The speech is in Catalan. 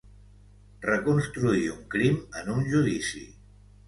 Reconstruir un crim en un judici.